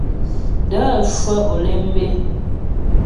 N də̂ cwə́ Olémbé.